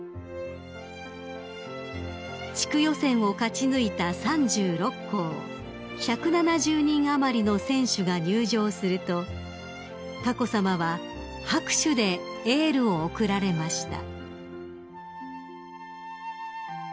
［地区予選を勝ち抜いた３６校１７０人余りの選手が入場すると佳子さまは拍手でエールを送られました］